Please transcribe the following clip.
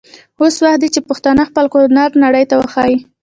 اوس وخت دی چې پښتانه خپل هنر نړۍ ته وښايي.